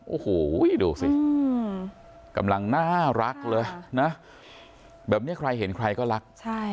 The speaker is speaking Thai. โอ้โหดูสิกำลังน่ารักเลยนะแบบนี้ใครเห็นใครก็รัก